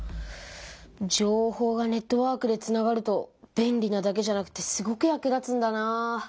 情報がネットワークでつながると便利なだけじゃなくてすごく役立つんだなあ。